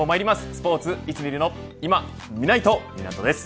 スポーツいつ見るのいまみないと、今湊です。